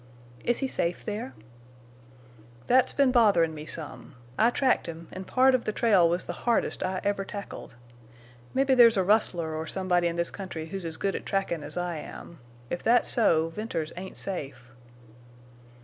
"Is he safe there?" "That's been botherin' me some. I tracked him an' part of the trail was the hardest I ever tackled. Mebbe there's a rustler or somebody in this country who's as good at trackin' as I am. If that's so Venters ain't safe."